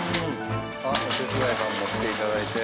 お手伝いさんも来て頂いて。